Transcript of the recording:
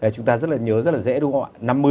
chúng ta rất là nhớ rất là dễ đúng không ạ